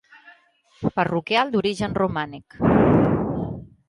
Parroquial d'origen romànic.